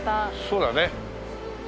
そうだね。